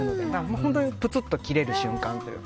本当にプツッと切れる瞬間というか。